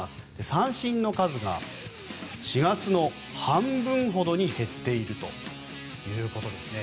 三振の数が４月の半分ほどに減っているということですね。